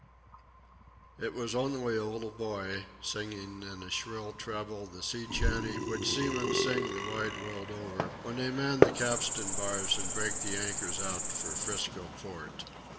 It was only a little boy, singing in a shrill treble the sea chantey which seamen sing the wide world over when they man the capstan bars and break the anchors out for "Frisco" port.